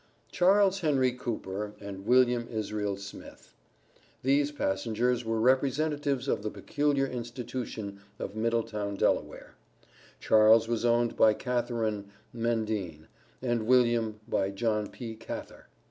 CHARLES HENRY COOPER and WILLIAM ISRAEL SMITH. These passengers were representatives of the peculiar Institution of Middletown, Delaware. Charles was owned by Catharine Mendine, and William by John P. Cather.